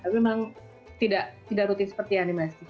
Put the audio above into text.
tapi memang tidak rutin seperti yang di masjid